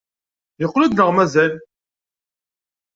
Yeqqel-d neɣ mazal?